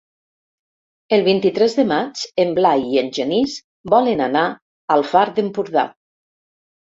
El vint-i-tres de maig en Blai i en Genís volen anar al Far d'Empordà.